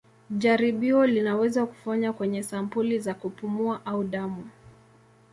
Jaribio linaweza kufanywa kwenye sampuli za kupumua au damu.